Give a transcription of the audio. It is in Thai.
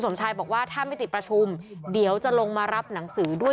สมชายบอกว่าถ้าไม่ติดประชุมเดี๋ยวจะลงมารับหนังสือด้วย